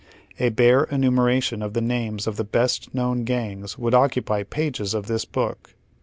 A bare enumeration of the names of the best known gangs would occupy pages of tiiis book.